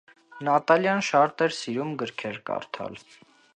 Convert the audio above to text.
Նատալյան շատ էր սիրում գրքեր կարդալ։